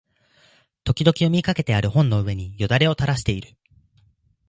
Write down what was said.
時々読みかけてある本の上に涎をたらしている